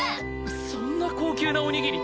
そんな高級なおにぎり